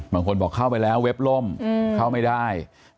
บางคนบอกเข้าไปแล้วเว็บล่มเข้าไม่ได้